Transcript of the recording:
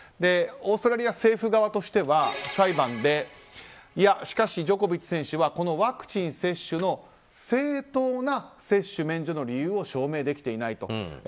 オーストラリア政府側としては裁判でしかし、ジョコビッチ選手はこのワクチン接種の正当な接種免除の理由を証明できていない。